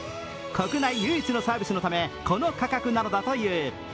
国内唯一のサービスのためこの価格なのだという。